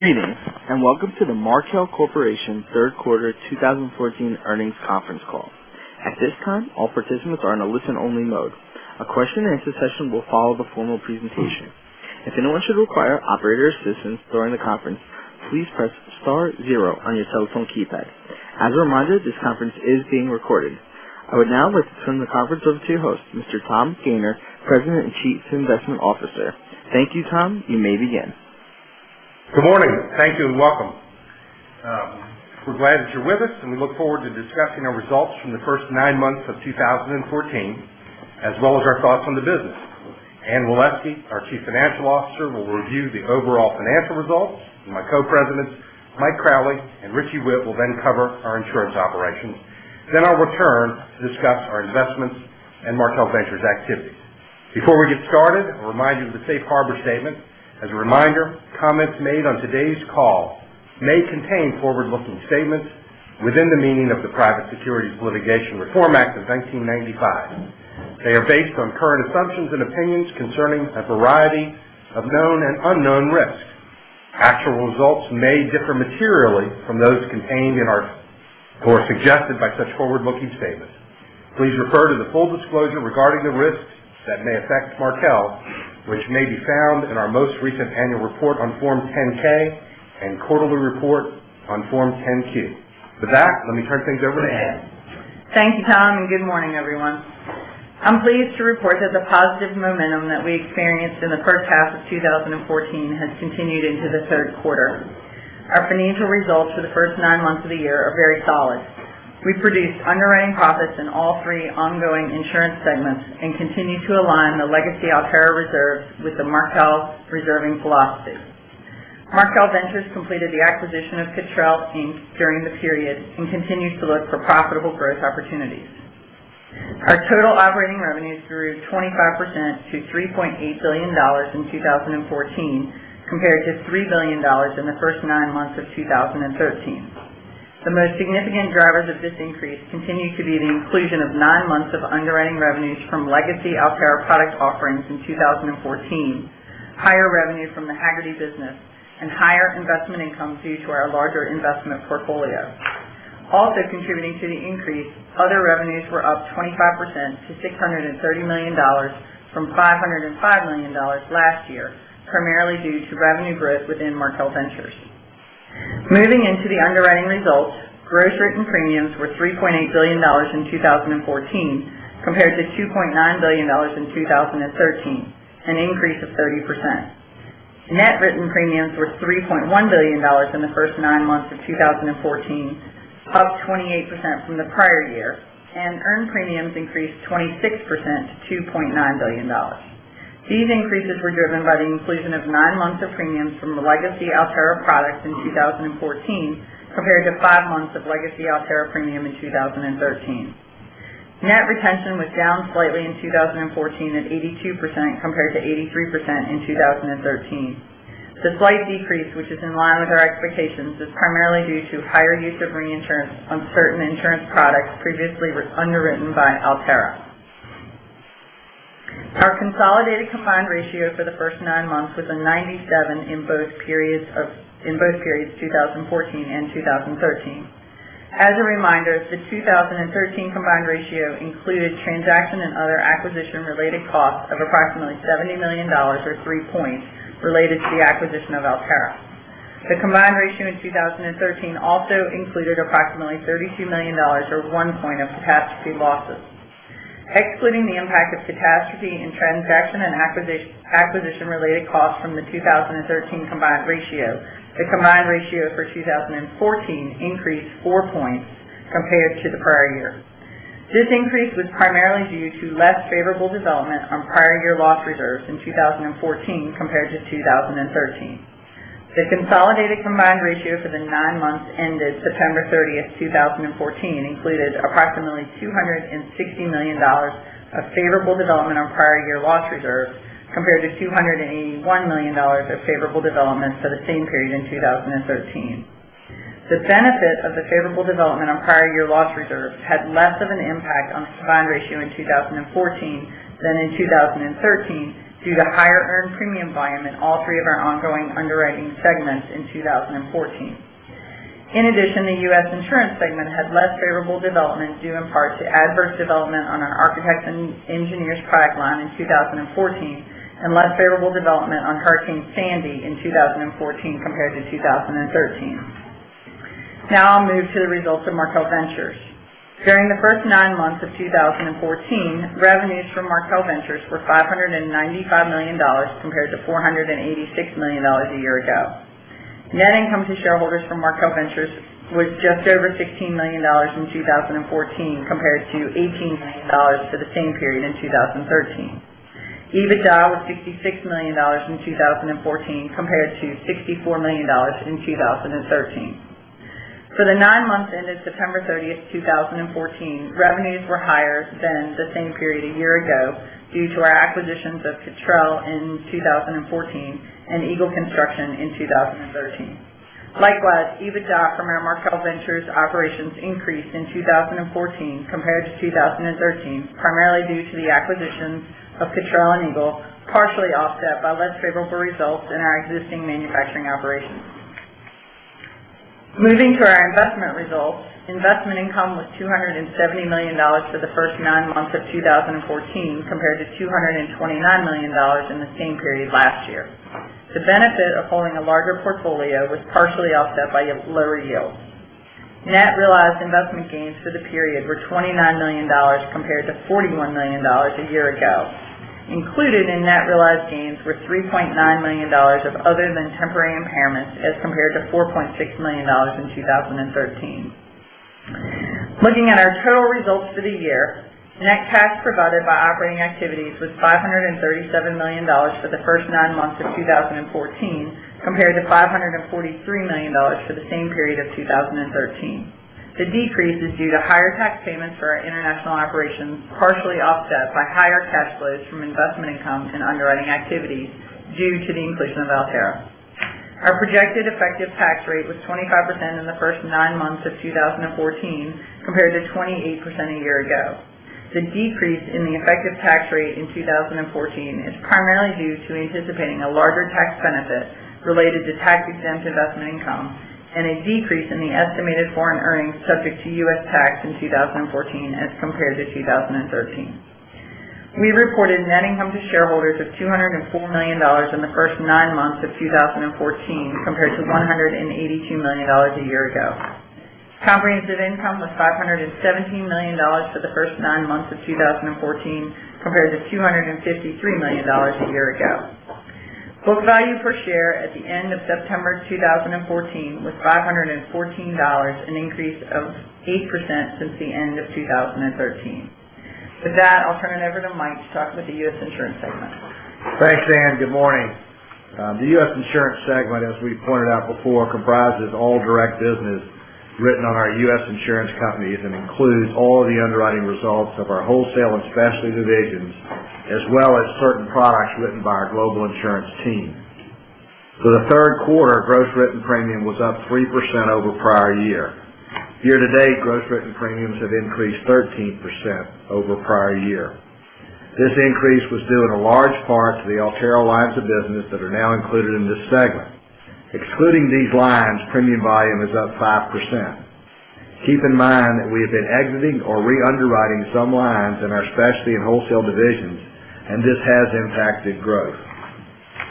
Greetings, and welcome to the Markel Corporation third quarter 2014 earnings conference call. At this time, all participants are in a listen-only mode. A question and answer session will follow the formal presentation. If anyone should require operator assistance during the conference, please press star zero on your telephone keypad. As a reminder, this conference is being recorded. I would now like to turn the conference over to your host, Mr. Tom Gayner, President and Chief Investment Officer. Thank you, Tom. You may begin. Good morning. Thank you, and welcome. We're glad that you're with us, and we look forward to discussing our results from the first nine months of 2014, as well as our thoughts on the business. Anne Waleski, our Chief Financial Officer, will review the overall financial results. My co-presidents, Mike Crowley and Richie Whitt, will then cover our insurance operations. I'll return to discuss our investments and Markel Ventures activities. Before we get started, a reminder of the safe harbor statement. As a reminder, comments made on today's call may contain forward-looking statements within the meaning of the Private Securities Litigation Reform Act of 1995. They are based on current assumptions and opinions concerning a variety of known and unknown risks. Actual results may differ materially from those contained in our, or suggested by such forward-looking statements. Please refer to the full disclosure regarding the risks that may affect Markel, which may be found in our most recent annual report on Form 10-K and quarterly report on Form 10-Q. With that, let me turn things over to Anne. Thank you, Tom, and good morning, everyone. I'm pleased to report that the positive momentum that we experienced in the first half of 2014 has continued into the third quarter. Our financial results for the first nine months of the year are very solid. We produced underwriting profits in all three ongoing insurance segments and continued to align the legacy Alterra reserves with the Markel reserving philosophy. Markel Ventures completed the acquisition of Cottrell, Inc. during the period and continues to look for profitable growth opportunities. Our total operating revenues grew 25% to $3.8 billion in 2014 compared to $3 billion in the first nine months of 2013. The most significant drivers of this increase continue to be the inclusion of nine months of underwriting revenues from legacy Alterra product offerings in 2014, higher revenue from the Hagerty business, and higher investment income due to our larger investment portfolio. Also contributing to the increase, other revenues were up 25% to $630 million from $505 million last year, primarily due to revenue growth within Markel Ventures. Moving into the underwriting results, gross written premiums were $3.8 billion in 2014 compared to $2.9 billion in 2013, an increase of 30%. Net written premiums were $3.1 billion in the first nine months of 2014, up 28% from the prior year, and earned premiums increased 26% to $2.9 billion. These increases were driven by the inclusion of nine months of premiums from the legacy Alterra products in 2014 compared to five months of legacy Alterra premium in 2013. Net retention was down slightly in 2014 at 82% compared to 83% in 2013. The slight decrease, which is in line with our expectations, is primarily due to higher use of reinsurance on certain insurance products previously underwritten by Alterra. Our consolidated combined ratio for the first nine months was a 97% in both periods 2014 and 2013. As a reminder, the 2013 combined ratio included transaction and other acquisition-related costs of approximately $70 million, or three points, related to the acquisition of Alterra. The combined ratio in 2013 also included approximately $32 million, or one point of catastrophe losses. Excluding the impact of catastrophe in transaction and acquisition-related costs from the 2013 combined ratio, the combined ratio for 2014 increased four points compared to the prior year. This increase was primarily due to less favorable development on prior year loss reserves in 2014 compared to 2013. The consolidated combined ratio for the nine months ended September 30th, 2014, included approximately $260 million of favorable development on prior year loss reserves, compared to $281 million of favorable developments for the same period in 2013. The benefit of the favorable development on prior year loss reserves had less of an impact on the combined ratio in 2014 than in 2013 due to higher earned premium volume in all three of our ongoing underwriting segments in 2014. In addition, the U.S. insurance segment had less favorable development due in part to adverse development on our architects and engineers pipeline in 2014 and less favorable development on Hurricane Sandy in 2014 compared to 2013. Now I'll move to the results of Markel Ventures. During the first nine months of 2014, revenues from Markel Ventures were $595 million compared to $486 million a year ago. Net income to shareholders from Markel Ventures was just over $16 million in 2014 compared to $18 million for the same period in 2013. EBITDA was $66 million in 2014 compared to $64 million in 2013. For the nine months ended September 30th, 2014, revenues were higher than the same period a year ago due to our acquisitions of Cottrell in 2014 and Eagle Construction in 2013. Likewise, EBITDA from our Markel Ventures operations increased in 2014 compared to 2013, primarily due to the acquisitions of Cottrell and Eagle, partially offset by less favorable results in our existing manufacturing operations. Moving to our investment results, investment income was $270 million for the first nine months of 2014 compared to $229 million in the same period last year. The benefit of holding a larger portfolio was partially offset by lower yields. Net realized investment gains for the period were $29 million compared to $41 million a year ago. Included in net realized gains were $3.9 million of other than temporary impairments as compared to $4.6 million in 2013. Looking at our total results for the year, net cash provided by operating activities was $537 million for the first nine months of 2014 compared to $543 million for the same period of 2013. The decrease is due to higher tax payments for our international operations, partially offset by higher cash flows from investment income and underwriting activities due to the inclusion of Alterra. Our projected effective tax rate was 25% in the first nine months of 2014 compared to 28% a year ago. The decrease in the effective tax rate in 2014 is primarily due to anticipating a larger tax benefit related to tax-exempt investment income and a decrease in the estimated foreign earnings subject to U.S. tax in 2014 as compared to 2013. We reported net income to shareholders of $204 million in the first nine months of 2014 compared to $182 million a year ago. Comprehensive income was $517 million for the first nine months of 2014 compared to $253 million a year ago. Book value per share at the end of September 2014 was $514, an increase of 8% since the end of 2013. With that, I'll turn it over to Mike to talk about the U.S. Insurance segment. Thanks, Anne. Good morning. The U.S. Insurance segment, as we pointed out before, comprises all direct business written on our U.S. insurance companies and includes all of the underwriting results of our wholesale and Specialty divisions, as well as certain products written by our global insurance team. For the third quarter, gross written premium was up 3% over prior year. Year-to-date, gross written premiums have increased 13% over prior year. This increase was due in a large part to the Alterra lines of business that are now included in this segment. Excluding these lines, premium volume is up 5%. Keep in mind that we have been exiting or re-underwriting some lines in our Specialty and wholesale divisions, and this has impacted growth.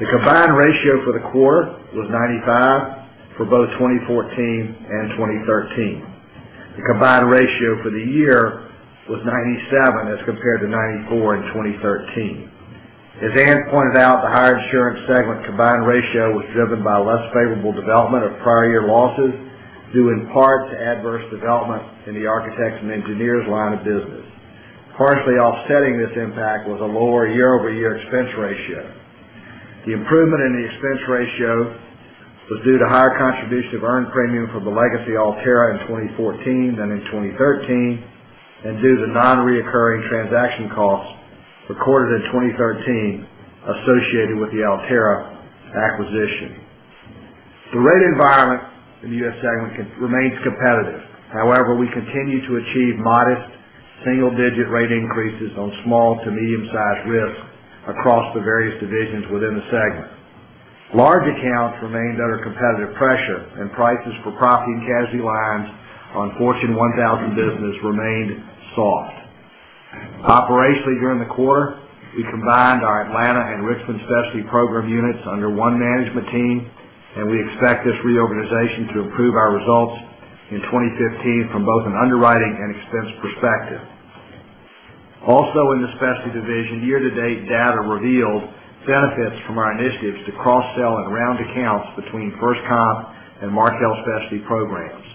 The combined ratio for the quarter was 95 for both 2014 and 2013. The combined ratio for the year was 97 as compared to 94 in 2013. As Anne pointed out, the higher insurance segment combined ratio was driven by less favorable development of prior year losses, due in part to adverse development in the architects and engineers line of business. Partially offsetting this impact was a lower year-over-year expense ratio. The improvement in the expense ratio was due to higher contribution of earned premium from the legacy Alterra in 2014 than in 2013, and due to the non-recurring transaction costs recorded in 2013 associated with the Alterra acquisition. The rate environment in the U.S. segment remains competitive. However, we continue to achieve modest single-digit rate increases on small to medium-sized risks across the various divisions within the segment. Large accounts remained under competitive pressure, and prices for property and casualty lines on Fortune 1000 business remained soft. Operationally during the quarter, we combined our Atlanta and Richmond specialty program units under one management team, and we expect this reorganization to improve our results in 2015 from both an underwriting and expense perspective. In the specialty division, year-to-date data revealed benefits from our initiatives to cross-sell and round accounts between FirstComp and Markel Specialty programs.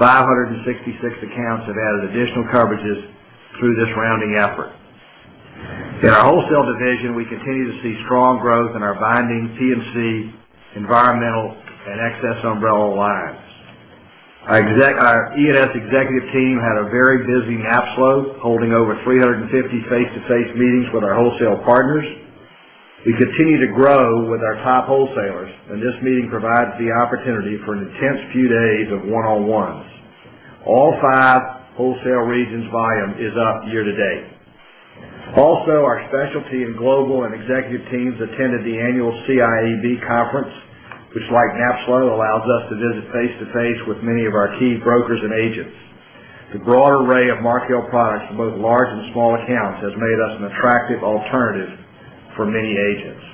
566 accounts have added additional coverages through this rounding effort. Our wholesale division, we continue to see strong growth in our binding P&C, environmental, and excess umbrella lines. Our E&S executive team had a very busy NAPSLO, holding over 350 face-to-face meetings with our wholesale partners. We continue to grow with our top wholesalers, and this meeting provides the opportunity for an intense few days of one-on-ones. All five wholesale regions' volume is up year-to-date. Our specialty in global and executive teams attended the annual CIAB conference, which like NAPSLO, allows us to visit face-to-face with many of our key brokers and agents. The broad array of Markel products for both large and small accounts has made us an attractive alternative for many agents.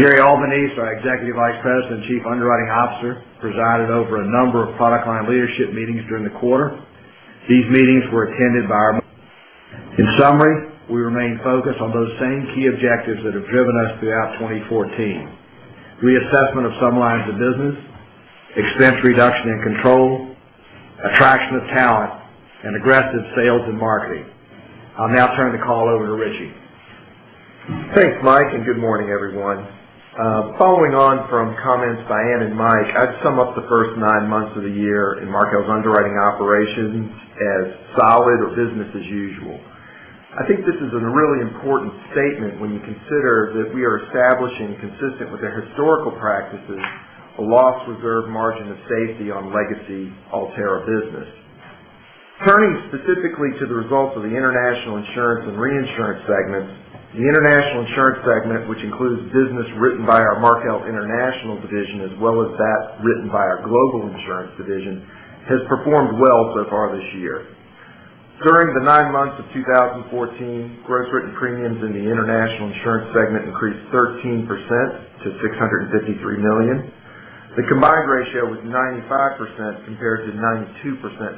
Gerry Albanese, our Executive Vice President, Chief Underwriting Officer, presided over a number of product line leadership meetings during the quarter. We remain focused on those same key objectives that have driven us throughout 2014: reassessment of some lines of business, expense reduction and control, attraction of talent, and aggressive sales and marketing. I'll now turn the call over to Richie. Thanks, Mike, good morning, everyone. Following on from comments by Anne and Mike, I'd sum up the first nine months of the year in Markel's underwriting operations as solid or business as usual. This is a really important statement when you consider that we are establishing, consistent with their historical practices, a loss reserve margin of safety on legacy Alterra business. Turning specifically to the results of the international insurance and reinsurance segments, the international insurance segment, which includes business written by our Markel International division as well as that written by our global insurance division, has performed well so far this year. During the nine months of 2014, gross written premiums in the international insurance segment increased 13% to $653 million. The combined ratio was 95% compared to 92%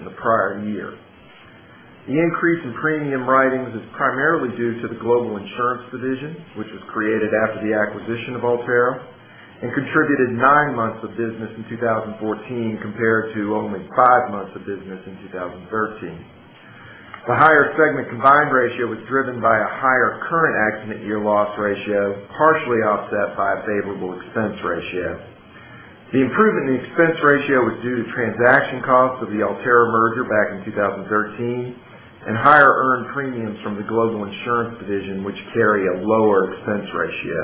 in the prior year. The increase in premium writings is primarily due to the global insurance division, which was created after the acquisition of Alterra and contributed nine months of business in 2014, compared to only five months of business in 2013. The higher segment combined ratio was driven by a higher current accident year loss ratio, partially offset by a favorable expense ratio. The improvement in the expense ratio was due to transaction costs of the Alterra merger back in 2013 and higher earned premiums from the global insurance division, which carry a lower expense ratio.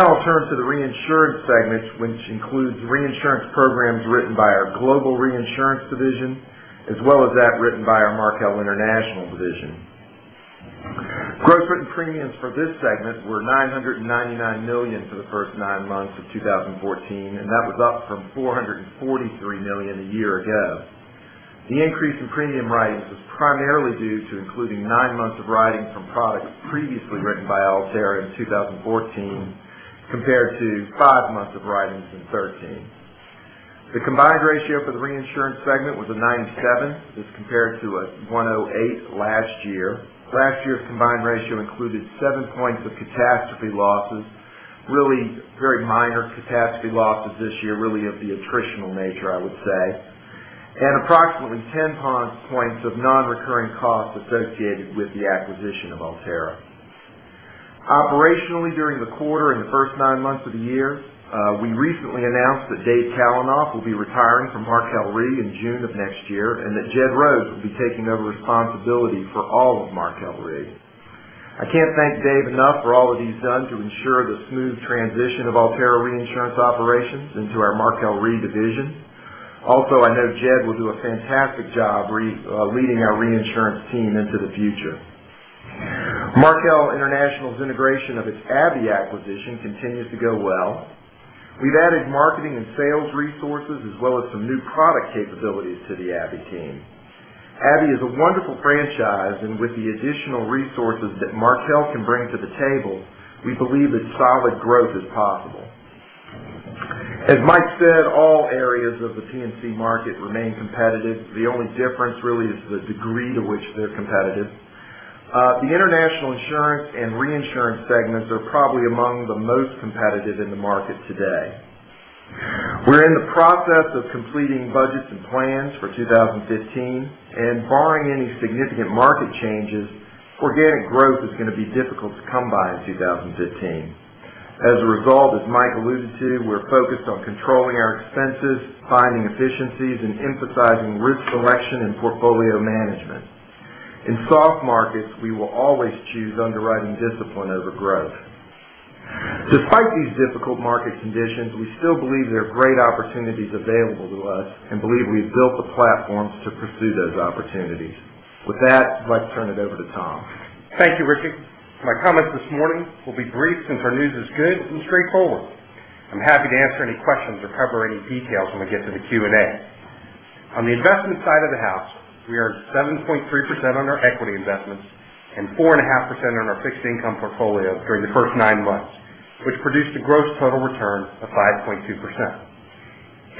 I'll turn to the reinsurance segment, which includes reinsurance programs written by our Markel Global Reinsurance division, as well as that written by our Markel International division. Gross written premiums for this segment were $999 million for the first 9 months of 2014, and that was up from $443 million a year ago. The increase in premium writings was primarily due to including 9 months of writings from products previously written by Alterra in 2014, compared to 5 months of writings in 2013. The combined ratio for the reinsurance segment was 97% as compared to 108% last year. Last year's combined ratio included 7 points of catastrophe losses, really very minor catastrophe losses this year, really of the attritional nature, I would say, and approximately 10 points of non-recurring costs associated with the acquisition of Alterra. Operationally, during the quarter in the first 9 months of the year, we recently announced that Dave Kalainoff will be retiring from Markel Re in June of next year, and that Jed Rhoads will be taking over responsibility for all of Markel Re. I can't thank Dave enough for all that he's done to ensure the smooth transition of Alterra reinsurance operations into our Markel Re division. I know Jed will do a fantastic job leading our reinsurance team into the future. Markel International's integration of its Abbey acquisition continues to go well. We've added marketing and sales resources as well as some new product capabilities to the Abbey team. Abbey is a wonderful franchise, with the additional resources that Markel can bring to the table, we believe that solid growth is possible. As Mike said, all areas of the P&C market remain competitive. The only difference really is the degree to which they're competitive. The international insurance and reinsurance segments are probably among the most competitive in the market today. We're in the process of completing budgets and plans for 2015, barring any significant market changes, organic growth is going to be difficult to come by in 2015. As Mike alluded to, we're focused on controlling our expenses, finding efficiencies, and emphasizing risk selection and portfolio management. In soft markets, we will always choose underwriting discipline over growth. Despite these difficult market conditions, we still believe there are great opportunities available to us and believe we've built the platforms to pursue those opportunities. With that, I'd like to turn it over to Tom. Thank you, Ricky. My comments this morning will be brief since our news is good and straightforward. I'm happy to answer any questions or cover any details when we get to the Q&A. On the investment side of the house, we earned 7.3% on our equity investments and 4.5% on our fixed income portfolio during the first nine months, which produced a gross total return of 5.2%.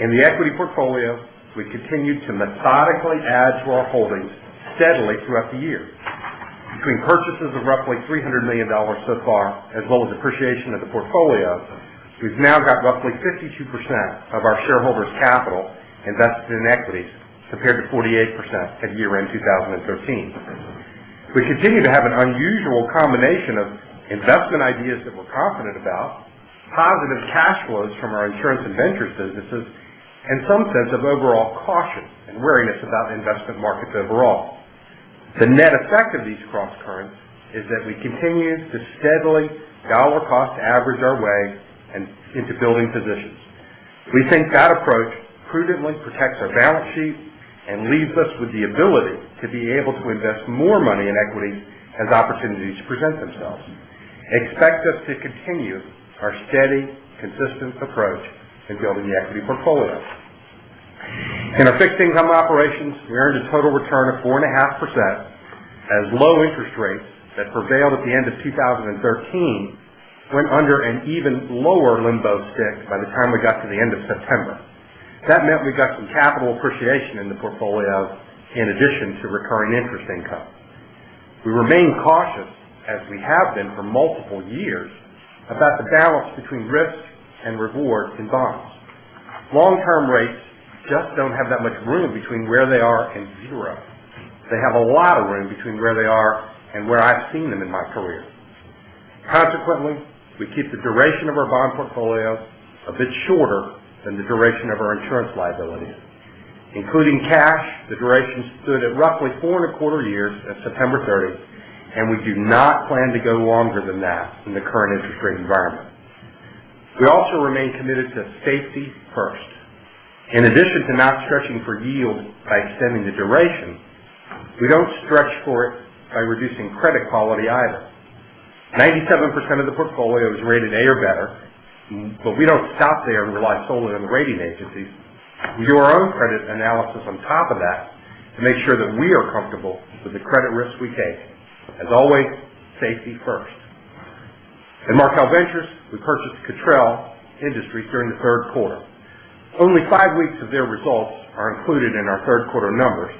In the equity portfolio, we continued to methodically add to our holdings steadily throughout the year. Between purchases of roughly $300 million so far, as well as appreciation of the portfolio, we've now got roughly 52% of our shareholders' capital invested in equities, compared to 48% at year-end 2013. We continue to have an unusual combination of investment ideas that we're confident about, positive cash flows from our insurance and venture businesses, and some sense of overall caution and wariness about investment markets overall. The net effect of these cross-currents is that we continue to steadily dollar cost average our way into building positions. We think that approach prudently protects our balance sheet and leaves us with the ability to be able to invest more money in equity as opportunities present themselves. Expect us to continue our steady, consistent approach in building the equity portfolio. In our fixed income operations, we earned a total return of 4.5% as low interest rates that prevailed at the end of 2013 went under an even lower limbo stick by the time we got to the end of September. That meant we got some capital appreciation in the portfolio in addition to recurring interest income. We remain cautious, as we have been for multiple years, about the balance between risk and reward in bonds. Long-term rates just don't have that much room between where they are and zero. They have a lot of room between where they are and where I've seen them in my career. We keep the duration of our bond portfolio a bit shorter than the duration of our insurance liabilities. Including cash, the duration stood at roughly 4.25 years at September 30, and we do not plan to go longer than that in the current interest rate environment. We also remain committed to safety first. In addition to not stretching for yield by extending the duration, we don't stretch for it by reducing credit quality either. 97% of the portfolio is rated A or better, we don't stop there and rely solely on the rating agencies. We do our own credit analysis on top of that to make sure that we are comfortable with the credit risk we take. As always, safety first. In Markel Ventures, we purchased Cottrell, Inc. during the third quarter. Only five weeks of their results are included in our third quarter numbers,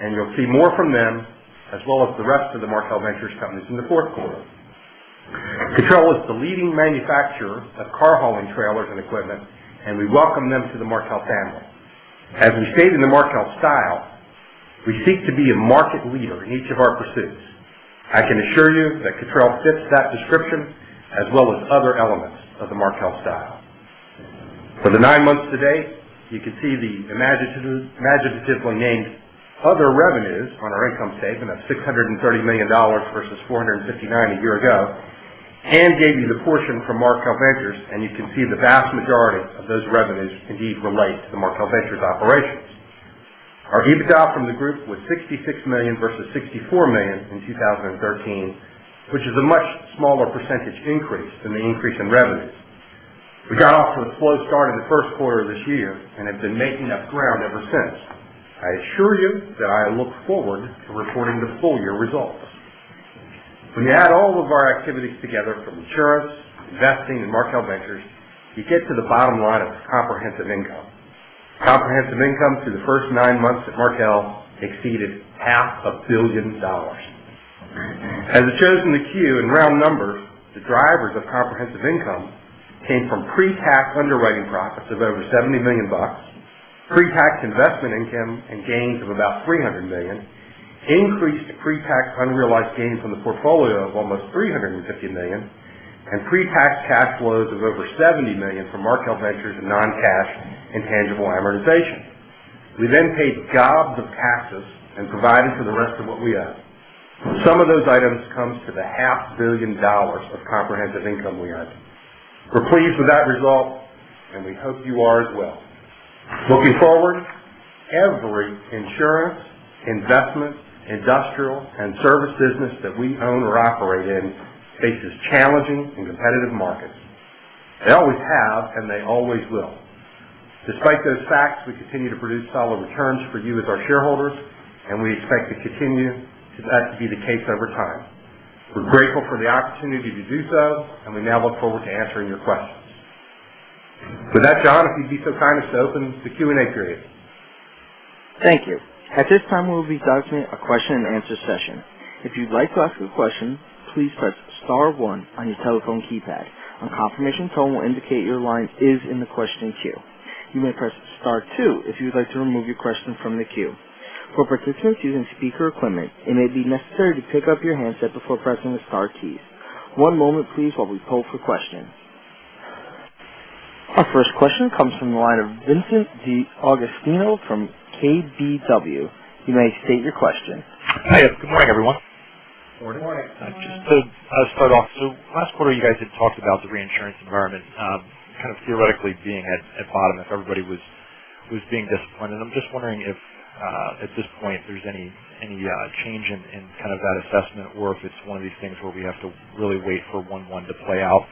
and you'll see more from them, as well as the rest of the Markel Ventures companies in the fourth quarter. Cottrell is the leading manufacturer of car hauling trailers and equipment, and we welcome them to the Markel family. As we state in the Markel Style, we seek to be a market leader in each of our pursuits. I can assure you that Cottrell fits that description as well as other elements of the Markel Style. For the nine months to date, you can see the imaginatively named other revenues on our income statement of $630 million versus $459 million a year ago. We gave you the portion from Markel Ventures, and you can see the vast majority of those revenues indeed relate to the Markel Ventures operations. Our EBITDA from the group was $66 million versus $64 million in 2013, which is a much smaller percentage increase than the increase in revenues. We got off to a slow start in the first quarter of this year and have been making up ground ever since. I assure you that I look forward to reporting the full-year results. When you add all of our activities together from insurance, investing, and Markel Ventures, you get to the bottom line of comprehensive income. Comprehensive income through the first nine months at Markel exceeded half a billion dollars. As it shows in the Q in round numbers, the drivers of comprehensive income came from pre-tax underwriting profits of over $70 million, pre-tax investment income and gains of about $300 million, increased pre-tax unrealized gains on the portfolio of almost $350 million, and pre-tax cash flows of over $70 million from Markel Ventures and non-cash intangible amortization. We paid gobs of taxes and provided for the rest of what we owe. The sum of those items comes to the half billion dollars of comprehensive income we earned. We're pleased with that result, and we hope you are as well. Looking forward, every insurance, investment, industrial, and service business that we own or operate in faces challenging and competitive markets. They always have, and they always will. Despite those facts, we continue to produce solid returns for you as our shareholders, and we expect to continue for that to be the case over time. We're grateful for the opportunity to do so, and we now look forward to answering your questions. With that, John, if you'd be so kind as to open the Q&A period. Thank you. At this time, we will be starting a question and answer session. If you'd like to ask a question, please press star one on your telephone keypad. A confirmation tone will indicate your line is in the question queue. You may press star two if you would like to remove your question from the queue. For participants using speaker equipment, it may be necessary to pick up your handset before pressing the star keys. One moment please while we poll for questions. Our first question comes from the line of Vincent DeAugustino from KBW. You may state your question. Hi. Good morning, everyone. Morning. Morning. Just to start off, last quarter, you guys had talked about the reinsurance environment kind of theoretically being at bottom if everybody was being disciplined. I'm just wondering if, at this point, there's any change in kind of that assessment or if it's one of these things where we have to really wait for one-one to play out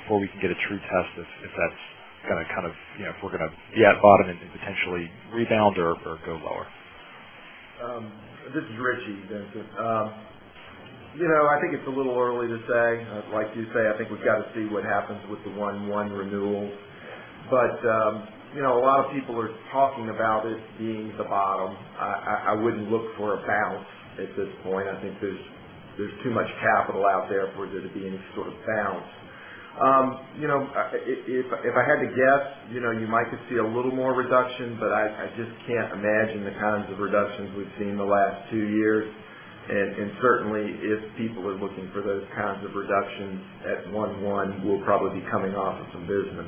before we can get a true test if that's kind of if we're going to be at bottom and potentially rebound or go lower. This is Richie, Vincent. I think it's a little early to say. Like you say, I think we've got to see what happens with the one-one renewals. A lot of people are talking about it being the bottom. I wouldn't look for a bounce at this point. I think there's too much capital out there for there to be any sort of bounce. If I had to guess, you might could see a little more reduction, but I just can't imagine the kinds of reductions we've seen in the last two years. Certainly, if people are looking for those kinds of reductions at one-one, we'll probably be coming off of some business.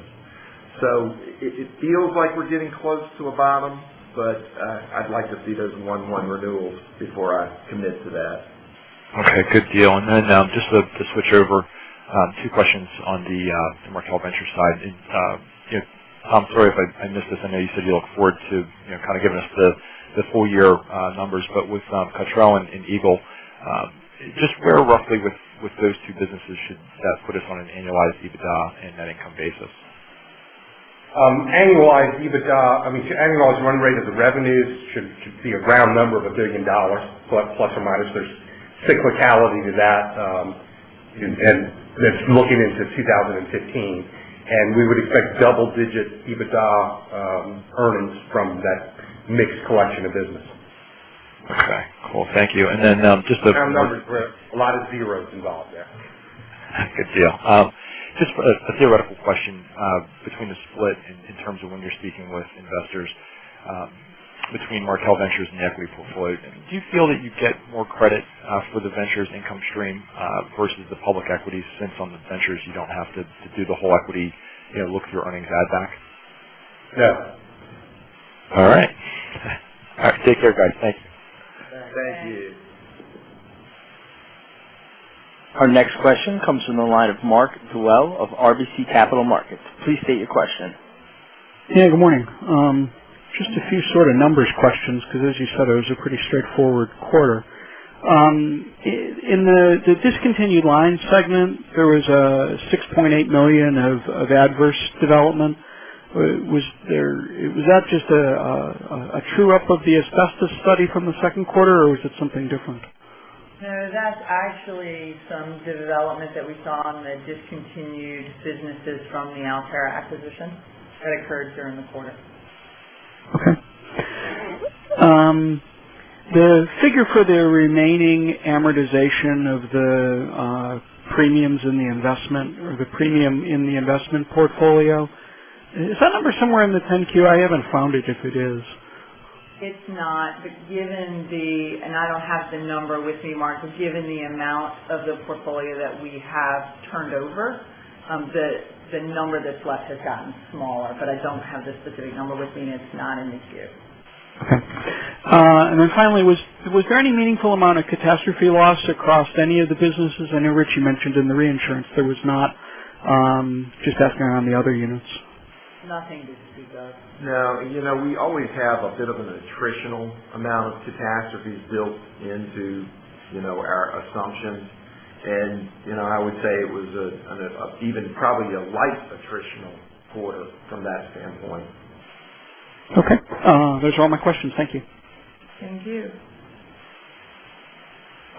It feels like we're getting close to a bottom, but I'd like to see those one-one renewals before I commit to that. Okay. Good deal. Then just to switch over, two questions on the Markel Ventures side. Tom, sorry if I missed this. I know you said you look forward to kind of giving us the full-year numbers, but with Cottrell and Eagle, just where roughly with those two businesses should that put us on an annualized EBITDA and net income basis? Annualized EBITDA, I mean, annualized run rate as a revenue should be a round number of $1 billion, plus or minus. There's cyclicality to that, and that's looking into 2015. We would expect double-digit EBITDA earnings from that mixed collection of businesses. Okay. Cool. Thank you. Round numbers, but a lot of zeros involved there. Good deal. Just a theoretical question between the split in terms of when you're speaking with investors between Markel Ventures and the equity portfolio, do you feel that you get more credit for the ventures income stream versus the public equity, since on the ventures you don't have to do the whole equity look through earnings add back? No. All right. Take care, guys. Thank you. Thank you. Our next question comes from the line of Mark Dwelle of RBC Capital Markets. Please state your question. Good morning. Just a few sort of numbers questions, because as you said, it was a pretty straightforward quarter. In the discontinued line segment, there was a $6.8 million of adverse development. Was that just a true-up of the asbestos study from the second quarter, or was it something different? No, that's actually some development that we saw on the discontinued businesses from the Alterra acquisition that occurred during the quarter. Okay. The figure for the remaining amortization of the premiums in the investment portfolio, is that number somewhere in the 10-Q? I haven't found it, if it is. It's not. I don't have the number with me, Mark, but given the amount of the portfolio that we have turned over, the number that's left has gotten smaller. I don't have the specific number with me, and it's not in the Q. Okay. Then finally, was there any meaningful amount of catastrophe loss across any of the businesses? I know, Richie, you mentioned in the reinsurance there was not. Just asking around the other units. Nothing to speak of. No. We always have a bit of an attritional amount of catastrophes built into our assumptions. I would say it was even probably a light attritional quarter from that standpoint. Okay. Those are all my questions. Thank you. Thank you.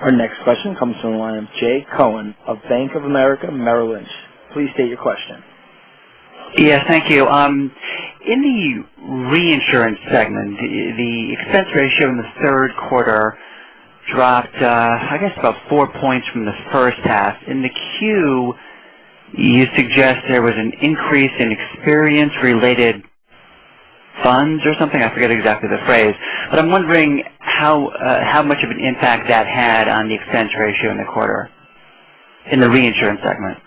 Our next question comes from the line of Jay Cohen of Bank of America Merrill Lynch. Please state your question. Yeah, thank you. In the reinsurance segment, the expense ratio in the third quarter dropped, I guess about four points from the first half. In the Q, you suggest there was an increase in experience-related funds or something. I forget exactly the phrase. I'm wondering how much of an impact that had on the expense ratio in the quarter in the reinsurance segment.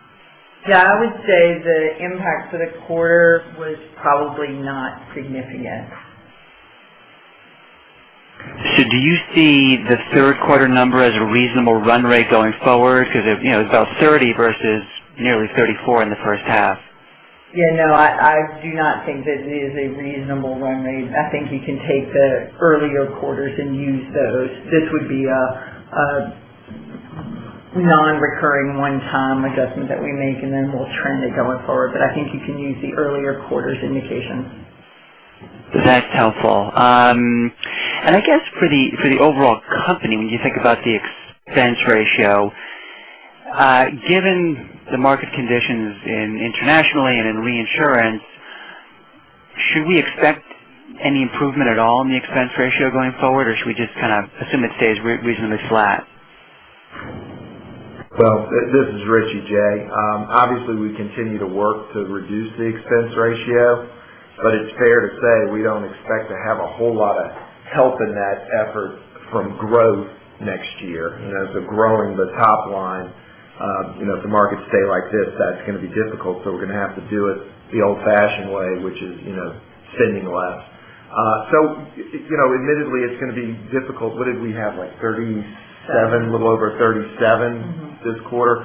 Yeah, I would say the impact for the quarter was probably not significant. Do you see the third quarter number as a reasonable run rate going forward? Because it's about 30 versus nearly 34 in the first half. No, I do not think that it is a reasonable run rate. I think you can take the earlier quarters and use those. This would be a non-recurring, one-time adjustment that we make, and then we'll trend it going forward. I think you can use the earlier quarters indication. That's helpful. I guess for the overall company, when you think about the expense ratio, given the market conditions internationally and in reinsurance, should we expect any improvement at all in the expense ratio going forward, or should we just kind of assume it stays reasonably flat? This is Richie, Jay. Obviously, we continue to work to reduce the expense ratio, but it's fair to say we don't expect to have a whole lot of help in that effort from growth next year. Growing the top line, if the markets stay like this, that's going to be difficult. We're going to have to do it the old-fashioned way, which is spending less. Admittedly, it's going to be difficult. What did we have, like 37%, a little over 37% this quarter?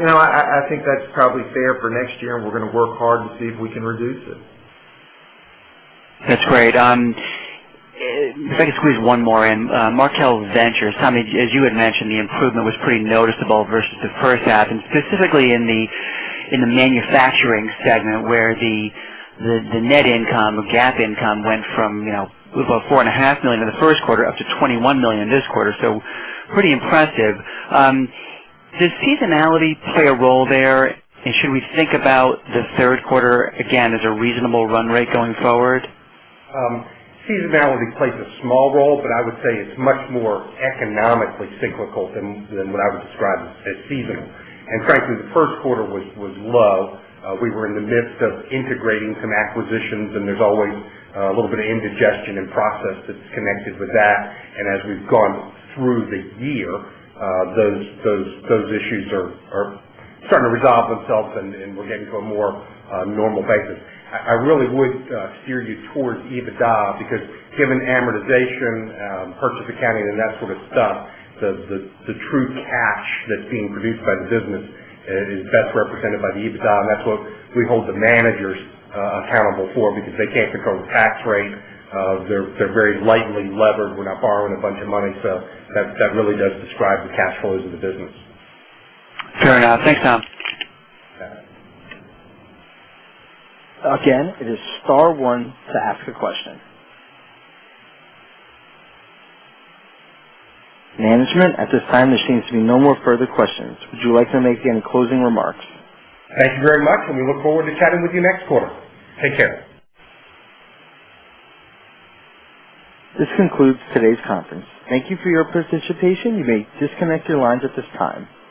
I think that's probably fair for next year, and we're going to work hard to see if we can reduce it. That's great. If I could squeeze one more in. Markel Ventures, Tom, as you had mentioned, the improvement was pretty noticeable versus the first half, and specifically in the manufacturing segment where the net income, or GAAP income, went from about $4.5 million in the first quarter up to $21 million this quarter. Pretty impressive. Does seasonality play a role there, and should we think about the third quarter, again, as a reasonable run rate going forward? Seasonality plays a small role, I would say it's much more economically cyclical than what I would describe as seasonal. Frankly, the first quarter was low. We were in the midst of integrating some acquisitions, there's always a little bit of indigestion and process that's connected with that. As we've gone through the year, those issues are starting to resolve themselves, and we're getting to a more normal basis. I really would steer you towards EBITDA because given amortization, purchase accounting, and that sort of stuff, the true cash that's being produced by the business is best represented by the EBITDA, and that's what we hold the managers accountable for because they can't control the tax rate. They're very lightly levered. We're not borrowing a bunch of money. That really does describe the cash flows of the business. Fair enough. Thanks, Tom. Again, it is star one to ask a question. Management, at this time, there seems to be no more further questions. Would you like to make any closing remarks? Thank you very much, we look forward to chatting with you next quarter. Take care. This concludes today's conference. Thank you for your participation. You may disconnect your lines at this time.